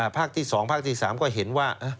ภาคที่สองภาคที่สามก็เห็นว่า